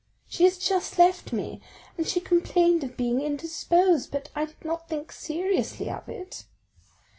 she has just left me, and she complained of being indisposed, but I did not think seriously of it."